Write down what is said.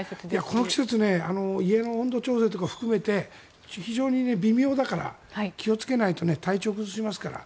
この季節家の温度調整とか含めて非常に微妙だから気をつけないと体調を崩しますから。